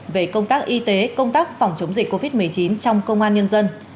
về công tác y tế công tác phòng chống dịch covid một mươi chín trong công an nhân dân